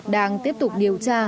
đang tiếp tục điều tra